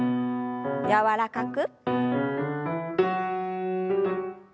柔らかく。